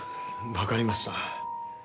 わかりました。